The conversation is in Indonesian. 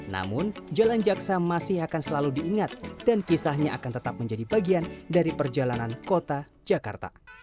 namun jalan jaksa masih akan selalu diingat dan kisahnya akan tetap menjadi bagian dari perjalanan kota jakarta